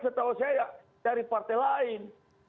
setahu saya ya dari partai lain